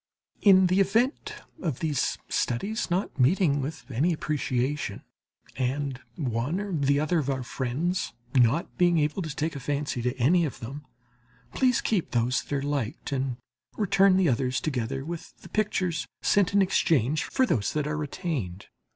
In the event of these studies not meeting with any appreciation, and one or the other of our friends not being able to take a fancy to any of them, please keep those that are liked and return the others together with the pictures sent in exchange for those that are retained.